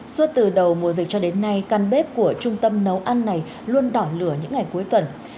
suốt từ đầu mùa dịch cho đến nay căn bếp của trung tâm nấu ăn này luôn đỏ lửa những ngày cuối tuần